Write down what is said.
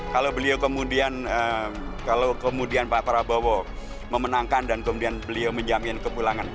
kalau beli kemudian kalau kemudian pak prabowo memenangkan dan kemudian beli menjamin kebulangan